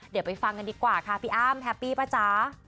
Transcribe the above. เดี๋ยวไปฟังกันดีกว่าค่ะพี่อ้ำแฮปปี้ป่ะจ๊ะ